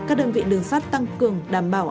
các đơn vị đường sắt tăng cường đảm bảo